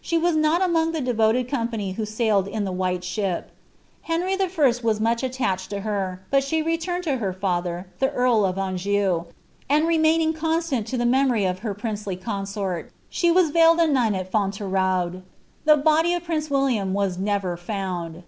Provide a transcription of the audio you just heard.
She was not among the devoted company who atilcd in the white ship.' Henry 1. was much attached to her, bnt alM If turned lo her father, ihe earl of Anjou, and remaining constant to tbi memory of her princely consort, she was veiled a nun at FonteTnod. The body of prince William was never found.